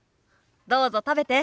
どうぞ食べて。